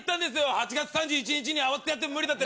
８月３１日に慌ててやっても無理だって。